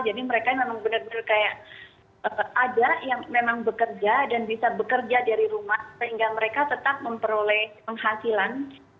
jadi mereka memang benar benar kayak ada yang memang bekerja dan bisa bekerja dari rumah sehingga mereka tetap memperoleh penghasilan